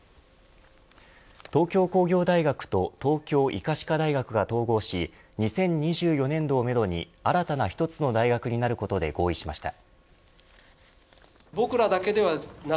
東京工業大学と東京医科歯科大学が統合し２０２４年度をめどに新たな一つの大学になることで合意しました。